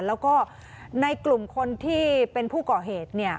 แล้วก็ในกลุ่มคนที่เป็นผู้ก่อเหตุเนี่ย